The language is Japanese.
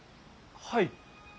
はい？